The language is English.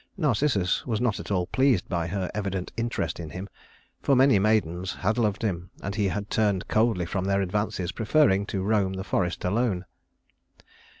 Narcissus was not at all pleased by her evident interest in him, for many maidens had loved him, and he had turned coldly from their advances, preferring to roam the forest alone.